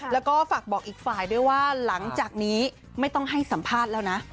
แล้วก็ฝากบอกอีกฝ่ายด้วยว่าหลังจากนี้ไม่ต้องให้สัมภาษณ์แล้วนะ